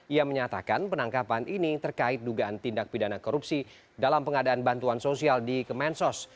ia menyatakan penangkapan ini terkait dugaan tindak pidana korupsi dalam pengadaan bantuan sosial di kemensos